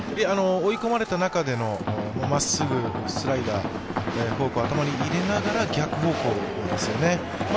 追い込まれた中でのまっすぐ、スライダーフォークを頭に入れながら逆方向ですよね。